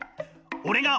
「俺が！